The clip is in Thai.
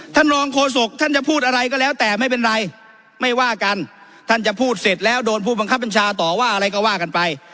ท่านรองโฆษกท่านจะพูดอะไรก็แล้วแต่ไม่เป็นไรไม่ว่ากันท่านจะพูดเสร็จแล้วโดนผู้บังคับบัญชาต่อว่าอะไรก็ว่ากันไป